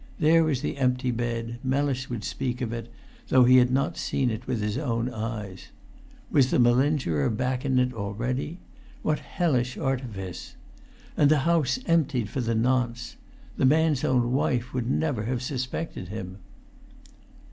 There was the empty bed. Mellis would speak of it, though he had not seen it with his own eyes. Was the malingerer back in it already? What hellish artifice! And the house emptied for the nonce! The man's own wife would never have suspected him.